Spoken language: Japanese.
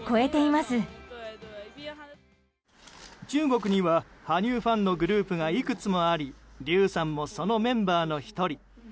中国には羽生ファンのグループがいくつもありリュウさんもそのメンバーの１人。